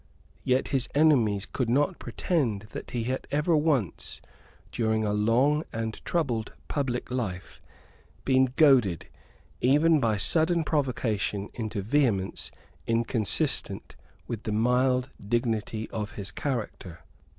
Yet his enemies could not pretend that he had ever once, during a long and troubled public life, been goaded, even by sudden provocation, into vehemence inconsistent with the mild dignity of his character.